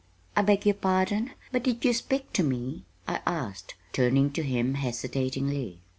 "I beg your pardon, but did you speak to me?" I asked, turning to him hesitatingly.